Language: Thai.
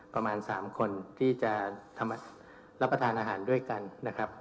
ประมาณ๓คนที่จะรับประทานอาหารด้วยกันนะครับ